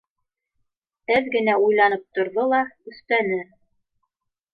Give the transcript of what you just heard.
— Әҙ генә уйланып торҙо ла өҫтә не